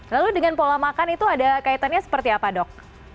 lalu dengan pola makan itu ada kaitannya seperti apa dok